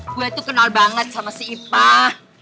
gue tuh kenal banget sama si ipah